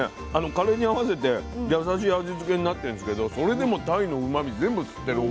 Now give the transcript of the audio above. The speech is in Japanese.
カレーに合わせて優しい味付けになってんですけどそれでもたいのうまみ全部吸ってるお米が。